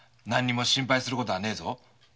何にも心配することはねえぞ。